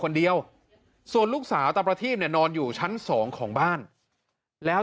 คนเดียวส่วนลูกสาวตาประทีพเนี่ยนอนอยู่ชั้นสองของบ้านแล้ว